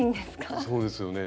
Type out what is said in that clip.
そうですよね。